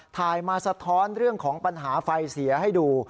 ถ่ายมาสะท้อนเรื่องของปัญหาไฟเสียให้ดู